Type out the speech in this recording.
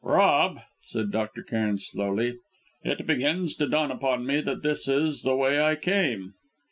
"Rob," said Dr. Cairn slowly, "it begins to dawn upon me that this is the way I came."